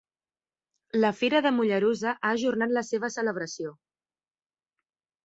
La Fira de Mollerussa ha ajornat la seva celebració.